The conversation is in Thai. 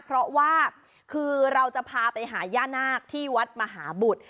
เพราะว่าคือเราจะพาไปหาย่านาคที่วัดมหาบุตร